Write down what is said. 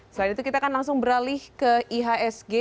selain itu kita akan langsung beralih ke ihsg